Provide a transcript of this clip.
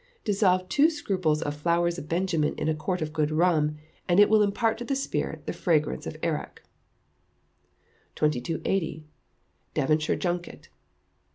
Dissolve two scruples of flowers of benjamin in a quart of good rum, and it will impart to the spirit the fragrance of arrack. 2280. Devonshire Junket.